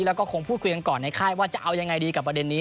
แล้วก็คงพูดคุยกันก่อนในค่ายว่าจะเอายังไงดีกับประเด็นนี้